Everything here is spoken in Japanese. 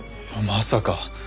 まさか。